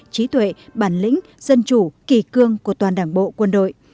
trí tuệ bản lĩnh dân chủ kỳ cương của toàn đảng bộ quân đội